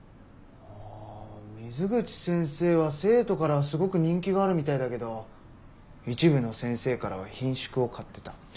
あ水口先生は生徒からすごく人気があるみたいだけど一部の先生からはひんしゅくを買ってた。